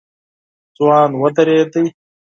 ځوان ودرېد.